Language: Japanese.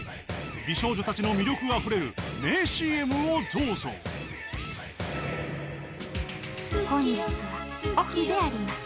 美少女たちの魅力あふれる名ＣＭをどうぞ本日はオフであります